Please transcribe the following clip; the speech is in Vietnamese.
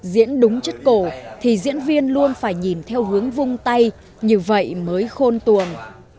diễn đúng chất cổ thì diễn viên luôn phải nhìn theo hướng vung tay như vậy mới khôn tuồng